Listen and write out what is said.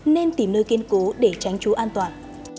nên tìm nơi kiên cố để tránh trú an toàn